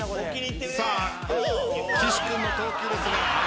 さあ岸君の投球ですが。